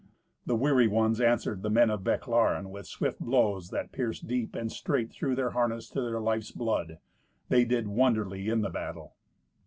The weary ones answered the men of Bechlaren with swift blows that pierced deep and straight through their harness to their life's blood. They did wonderly in the battle.